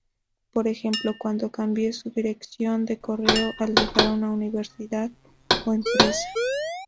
Por ejemplo, cuando cambie su dirección de correo al dejar una universidad o empresa.